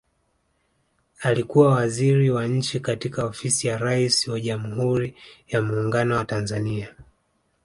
Alikuwa Waziri wa Nchi katika Ofisi ya Rais wa Jamhuri ya Muungano wa Tanzania